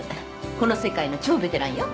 この世界の超ベテランよ。